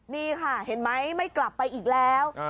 นี่ค่ะเห็นไหมไม่กลับไปอีกแล้ว